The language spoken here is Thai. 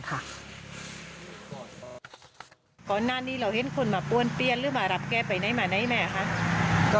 ก่อนหน้านี้เราเห็นคนมาป้วนเปี้ยนหรือมารับแก้ไปไหนมาไหนแม่คะ